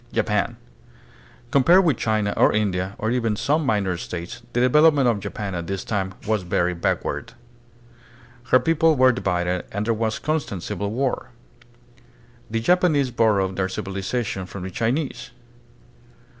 Japan. Compared with China or India, or even some minor states, the development of Japan at this time was very backward. Her people were divided and there was constant civil war. The Japanese borrowed their civiliza tion from the Chinese.